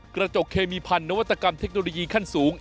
กระจกเคมีพันธนวัตกรรมเทคโนโลยีขั้นสูง